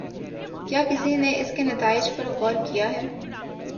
کیا کسی نے اس کے نتائج پر غور کیا ہے؟